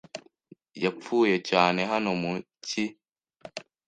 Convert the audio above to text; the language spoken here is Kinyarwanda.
Yapfuye cyane hano mu cyi.